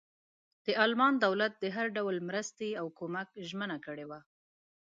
د المان دولت د هر ډول مرستې او کمک ژمنه کړې وه.